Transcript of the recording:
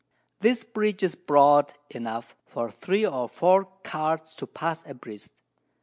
This Bridge is broad enough for 3 or 4 Carts to pass a breast.